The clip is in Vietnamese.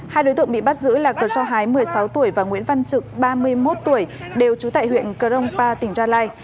hai đối tượng bị bắt giữ là cơ sơ hái một mươi sáu tuổi và nguyễn văn trực ba mươi một tuổi đều trú tại huyện crongpa tỉnh gia lai